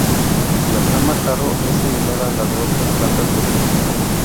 La trampa jarro es similar a la de otras plantas de este tipo.